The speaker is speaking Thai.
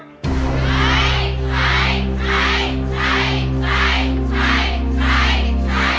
ใช้